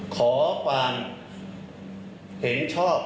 ขอความเห็นชอบ